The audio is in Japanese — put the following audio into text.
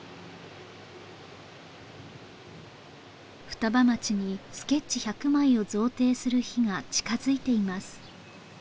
双葉町にスケッチ１００枚を贈呈する日が近づいています